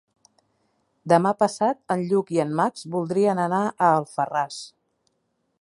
Demà passat en Lluc i en Max voldrien anar a Alfarràs.